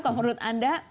kalau menurut anda